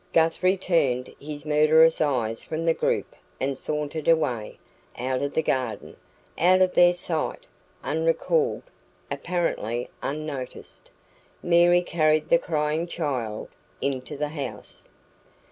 Guthrie turned his murderous eyes from the group and sauntered away, out of the garden, out of their sight, unrecalled, apparently unnoticed. Mary carried the crying child into the house.